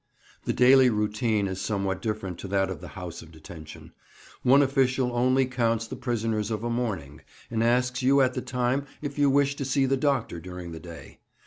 The daily routine is somewhat different to that of the "House of Detention." One official only counts the prisoners of a morning, and asks you at the time if you wish to see the doctor during the day.